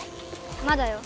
まだよ。